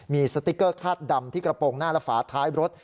มีสติ๊กเกอร์คาดดำที่กระโปรงหน้าและฝาท้ายรถ